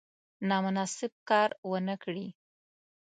نامناسب کار ونه کړي.